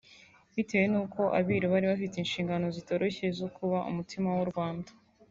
Bitewe n’uko Abiru bari bafite inshingano zitoroshye zo kuba umutima w’u Rwanda